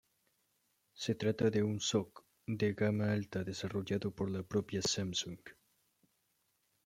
Se trata de un SoC de gama alta desarrollado por la propia Samsung.